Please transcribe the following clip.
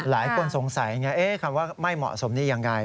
หลายคนสงสัยไงคำว่าไม่เหมาะสมนี่ยังไง